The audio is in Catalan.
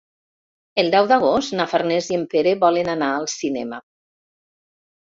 El deu d'agost na Farners i en Pere volen anar al cinema.